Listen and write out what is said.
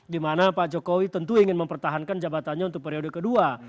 dimana pak jokowi tentu ingin mempertahankan jabatannya untuk periode kedua